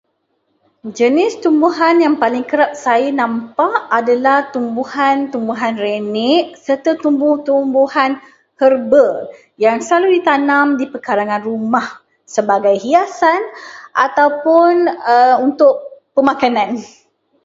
Jenis tumbuhan yang paling kerap saya nampak adalah tumbuhan-tumbuhan renek serta tumbuh-tumbuhan herba yang selalu ditanam di perkarangan rumah, sebagai hiasan ataupun aa untuk pemakanan.